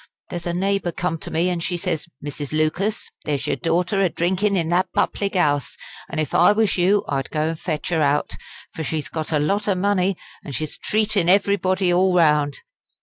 There's a neighbour come to me, an' she says: 'Mrs. Lucas, there's your daughter a drinkin' in that public 'ouse, an' if I was you I'd go and fetch her out; for she's got a lot o' money, an' she's treatin' everybody all round.'